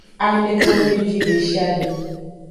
Amexomevi deshiade.